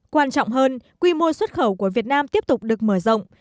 quan trọng hơn quy mô xuất khẩu của việt nam tiếp tục được mở rộng